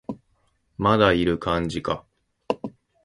まだいる感じか